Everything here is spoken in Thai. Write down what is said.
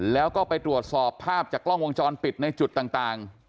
แล้วก็ไปตรวจสอบภาพจากกล้องวงจรปิดในจุดต่าง